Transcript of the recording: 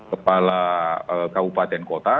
kepala kabupaten kota